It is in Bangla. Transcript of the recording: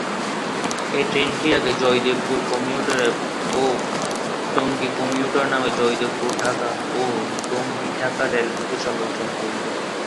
এই ট্রেনটি আগে জয়দেবপুর কমিউটার ও টঙ্গী কমিউটার নামে জয়দেবপুর-ঢাকা ও টঙ্গী-ঢাকা রেলপথে চলাচল করতো।